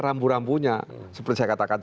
rambu rambunya seperti saya katakan